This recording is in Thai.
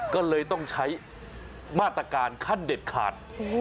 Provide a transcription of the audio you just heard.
ก็เลยต้องใช้มาตรการขั้นเด็ดขาด